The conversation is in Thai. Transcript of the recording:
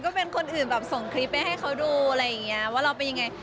ก็เป็นคนอื่นแบบส่งคลิปไปให้เขาดูอะไรอย่างเงี้ยว่าเราเป็นยังไง